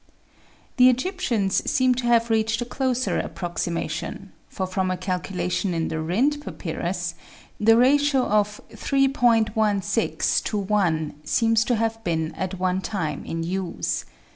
The Egyptians seem to have reached a closer approxima tion, for from a calculation in the Rhind papyrus, the ratio of 3. 1 6 to i seems to have been at one time in use.